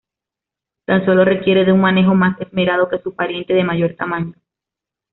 Tan solo requiere de un manejo más esmerado que su pariente de mayor tamaño.